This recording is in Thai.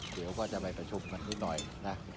เดี๋ยวก็จะไปประชุมกันนิดหน่อยนะ